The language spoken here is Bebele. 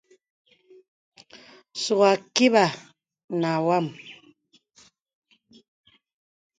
Sùŋūū àkībà nà wàm.